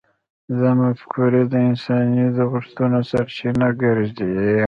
دا مفکورې د انساني غوښتنو سرچینه ګرځي.